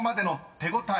手応え。